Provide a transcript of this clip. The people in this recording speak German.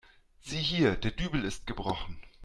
Sieh hier, der Dübel ist gebrochen.